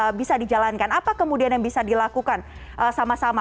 apa yang bisa dijalankan apa kemudian yang bisa dilakukan sama sama